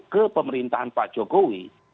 ke pemerintahan pak jokowi